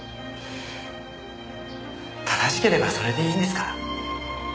正しければそれでいいんですか？